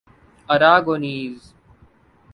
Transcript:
Aragonese